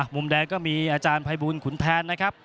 มุมแดงก็มีอาจารย์ภัยบุญขุนแทน